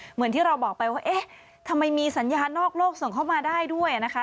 เหมือนที่เราบอกไปว่าเอ๊ะทำไมมีสัญญานอกโลกส่งเข้ามาได้ด้วยนะคะ